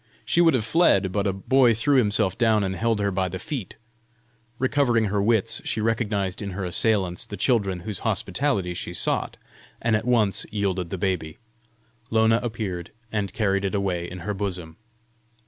She would have fled, but a boy threw himself down and held her by the feet. Recovering her wits, she recognised in her assailants the children whose hospitality she sought, and at once yielded the baby. Lona appeared, and carried it away in her bosom.